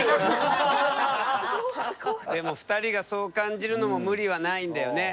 でも２人がそう感じるのも無理はないんだよね。